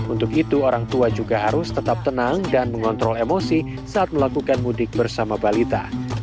untuk itu orang tua juga harus tetap tenang dan mengontrol emosi saat melakukan mudik bersama balita